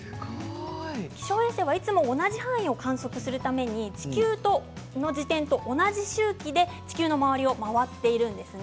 気象衛星は、いつも同じ範囲を観測するため地球の自転と同じ周期で地球の周りを回っているんです。